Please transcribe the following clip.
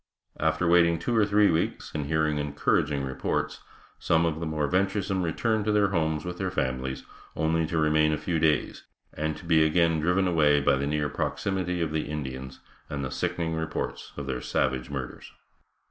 After waiting two or three weeks, and hearing encouraging reports, some of the more venturesome returned to their homes with their families, only to remain a few days, and to be again driven away by the near proximity of the Indians, and the sickening reports of their savage murders.